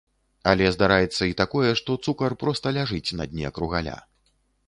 Але здараецца і такое, што цукар проста ляжыць на дне кругаля.